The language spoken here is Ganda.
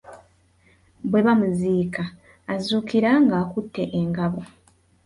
Bwe bamuziika azuukira ng'akutte engabo.